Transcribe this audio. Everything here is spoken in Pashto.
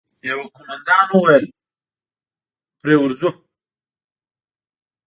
يوه قوماندان وويل: پرې ورځو!